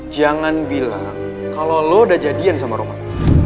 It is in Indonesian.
jangan bilang kalau lo udah jadian sama roman